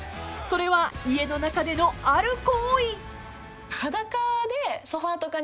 ［それは家の中でのある行為］